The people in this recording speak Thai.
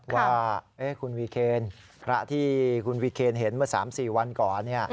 ว่าคุณวีเคนพระที่คุณวีเคนเห็นเมื่อ๓๔วันก่อน